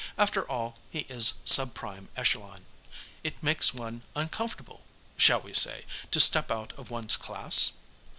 After all, he is Sub Prime Echelon. It makes one uncomfortable, shall we say, to step out of one's class?"